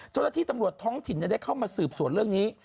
เจ้าหน้าที่ตำรวจท้องถิ่นได้เข้ามาสืบสวนเรื่องนี้